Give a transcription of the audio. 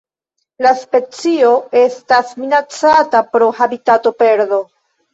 La specio estas minacata pro habitatoperdo.